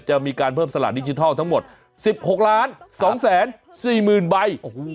จะมีการเพิ่มสลากดิจิทัลทั้งหมดสิบหกล้านสองแสนสี่หมื่นใบโอ้โห